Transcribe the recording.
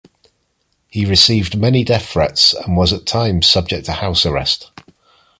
He received many death threats and was at times subject to house arrest.